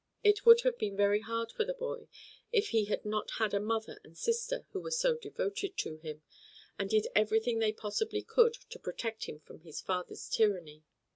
It would have been very hard for the boy if he had not had a mother and sister who were so devoted to him, and did everything they possibly could to protect him from his father's tyranny.